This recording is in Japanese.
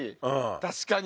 確かに。